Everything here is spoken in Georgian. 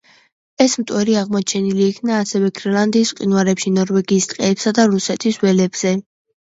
ეს მტვერი აღმოჩენილ იქნა ასევე გრენლანდიის მყინვარებში, ნორვეგიის ტყეებსა და რუსეთის ველებზე.